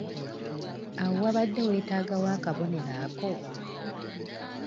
Awo wabadde weetaagawo akabonero ako?